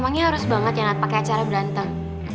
memangnya harus banget ya nat pakai caranya berantem